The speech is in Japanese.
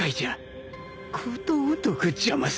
ことごとく邪魔される